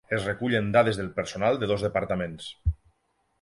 Es recullen dades del personal de dos departaments.